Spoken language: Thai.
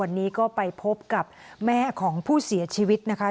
วันนี้ก็ไปพบกับแม่ของผู้เสียชีวิตนะคะ